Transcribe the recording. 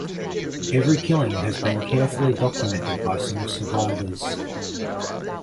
Every killing has been carefully documented by some survivors.